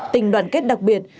tình đoàn kết đặc biệt